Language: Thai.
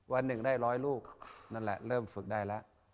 วันหนึ่งได้ร้อยลูกนั่นแหละเริ่มฝึกได้แล้ว